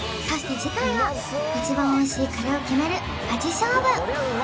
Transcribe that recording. そして次回は一番おいしいカレーを決めるガチ勝負！